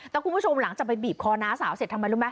แต่คุณผู้ชมหลังจากไปบีบคอน้าสาวเสร็จทำไมรู้ไหม